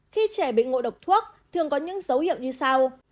khi trẻ bị ngộ độc thuốc thường có những dấu hiệu như sau